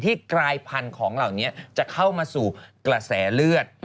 กลายพันธุ์ของเหล่านี้จะเข้ามาสู่กระแสเลือด